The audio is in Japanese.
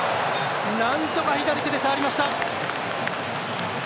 なんとか左手で触りました。